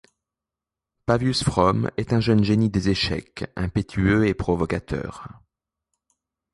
Pavius Fromm est un jeune génie des échecs, impétueux et provocateur.